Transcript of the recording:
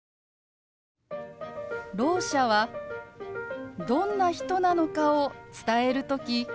ろう者はどんな人なのかを伝える時